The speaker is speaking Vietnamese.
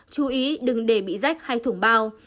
chú ý đừng để bị rách hay thủng bao